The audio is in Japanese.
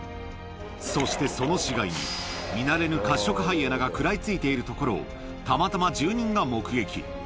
そしてその死骸に、見慣れぬカッショクハイエナが食らいついているところをたまたま住人が目撃。